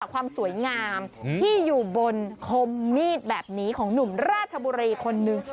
ความสวยงามที่อยู่บนคมมีดแบบนี้ของหนุ่มราชบุรีคนหนึ่ง